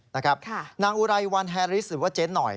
นางอุไรวันแฮริสหรือว่าเจ๊หน่อย